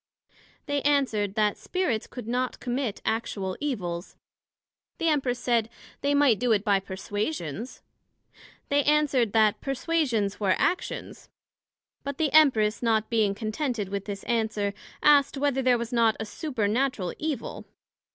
They answered, That Spirits could not commit actual evils. The Empress said, they might do it by perswasions. They answered, That Perswasions were actions; But the Empress not being contented with this answer, asked, Whether there was not a supernatural Evil?